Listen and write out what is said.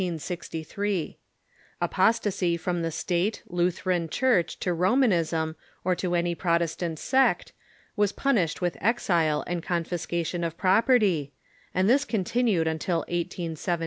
Apostasy 276 THE EEFORMATION from the State (Lutheran) Church to Romanism or to any Protestant sect was punished with exile and confiscation of property, and this continued till IS17.